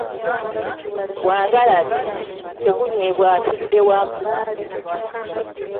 Gwa ngalabi, tegunywebwa atudde wamu.